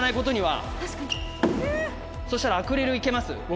そしたらアクリルいけます？